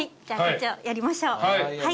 じゃあこっちをやりましょう。